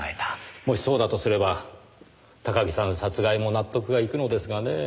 もしそうだとすれば高木さん殺害も納得がいくのですがねぇ。